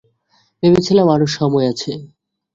ভেবেছিলাম আরো সময় আছে।